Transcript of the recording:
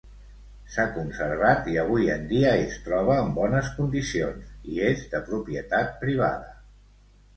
S'ha conservat i avui en dia es troba en bones condicions, i és de propietat privada.